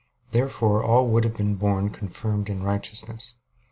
Therefore all would have been born confirmed in righteousness.